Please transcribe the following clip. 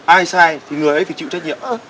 ai sai thì người ấy phải chịu trách nhiệm